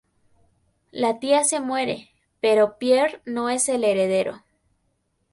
La tía se muere, pero Pierre no es el heredero.